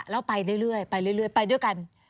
แล้วไปเรื่อยไปด้วยกัน